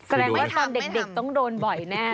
ก็แรงว่าตอนเด็กต้องโดนบ่อยแน่เลย